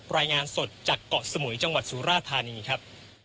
รายงานสดจากเกาะสมุยจังหวัดสุราธานีครับ